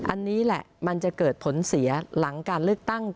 อันนี้แหละมันจะเกิดผลเสียหลังการเลือกตั้ง